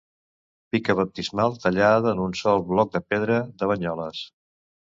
Pica baptismal tallada en un sol bloc de pedra de Banyoles.